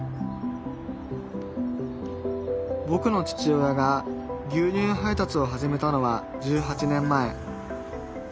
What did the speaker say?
ぼくの父親が牛乳配達を始めたのは１８年前。